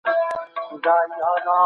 آیا د مسمومیت درمل په درملتون کې شته؟